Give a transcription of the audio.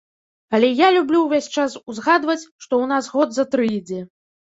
Але я люблю ўвесь час узгадваць, што ў нас год за тры ідзе.